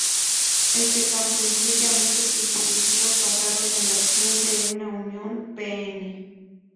Este campo incluye a muchos dispositivos basados en la acción de una unión pn.